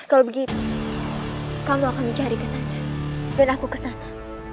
kalau begitu kamu akan mencari kesana dan aku kesana